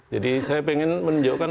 jadi saya ingin menunjukkan